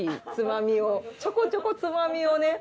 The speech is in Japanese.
ちょこちょこツマミをね。